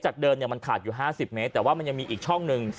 จากเดิมมันขาดอยู่๕๐เมตรแต่ว่ามันยังมีอีกช่องหนึ่ง